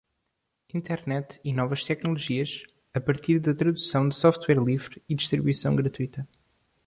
Internet e novas tecnologias, a partir da tradução de software livre e distribuição gratuita.